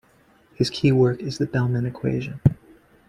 His key work is the Bellman equation.